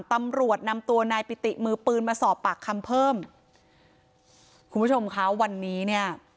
ตำรวจนำตัวนายปิติมือปืนมาสอบปากคำเพิ่มคุณผู้ชมคะวันนี้เนี่ย